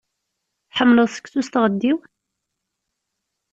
Tḥemmleḍ seksu s tɣeddiwt?